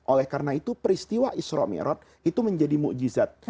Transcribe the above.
oleh karena itu peristiwa isra'mi'rot itu menjadi mukjizat